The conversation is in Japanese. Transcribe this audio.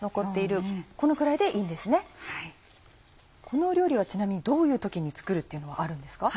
この料理はちなみにどういう時に作るっていうのはあるんですか？